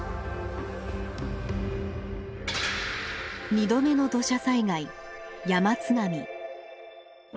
二度目の土砂災害山津波。